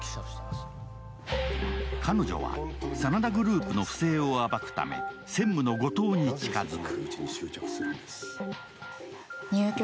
彼女は真田グループの不正を暴くため専務の後藤に近づく。